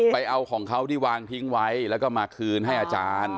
ไปเอาของเขาที่วางทิ้งไว้แล้วก็มาคืนให้อาจารย์